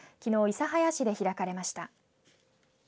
諫早市で開かれました。